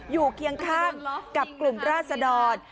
เคียงข้างกับกลุ่มราศดร